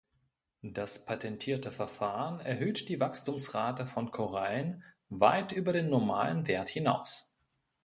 Das patentierte Verfahren erhöht die Wachstumsrate von Korallen weit über den normalen Wert hinaus.